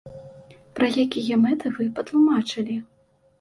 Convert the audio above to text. Пра якія мэты вы патлумачылі?!